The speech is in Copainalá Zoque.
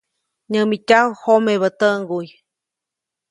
Nyämityaju jomebä täʼŋguy.